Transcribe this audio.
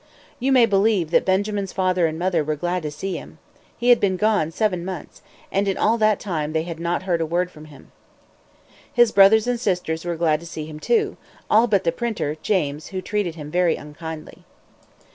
You may believe that Benjamin's father and mother were glad to see him. He had been gone seven months, and in all that time they had not heard a word from him. His brothers and sisters were glad to see him, too all but the printer, James, who treated him very unkindly.